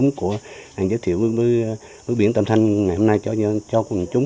mình giới thiệu với biển tâm thanh ngày hôm nay cho quần chúng